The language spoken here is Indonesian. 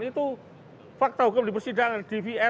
itu fakta hukum di persidangan